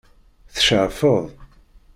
Tceɛfeḍ?